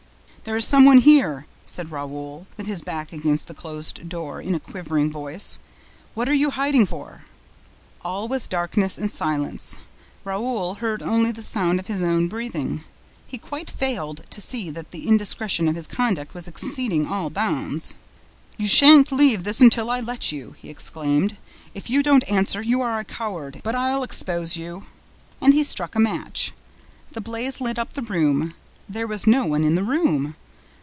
"There is some one here!" said Raoul, with his back against the closed door, in a quivering voice. "What are you hiding for?" All was darkness and silence. Raoul heard only the sound of his own breathing. He quite failed to see that the indiscretion of his conduct was exceeding all bounds. "You shan't leave this until I let you!" he exclaimed. "If you don't answer, you are a coward! But I'll expose you!" And he struck a match. The blaze lit up the room. There was no one in the room!